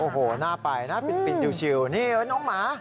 โอ้โหน่าไปน่าปิดชิวนี่เนี่ยน้องหมา